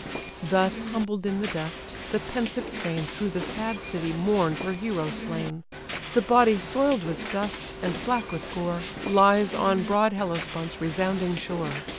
Thus humbled in the dust, the pensive train Through the sad city mourn'd her hero slain. The body soil'd with dust, and black with gore, Lies on broad Hellespont's resounding shore.